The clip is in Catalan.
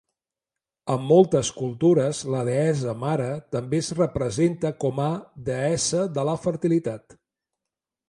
En moltes cultures la deessa mare també es representa com a deessa de la fertilitat.